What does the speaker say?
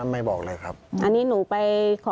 มันไม่บอกเลยครับ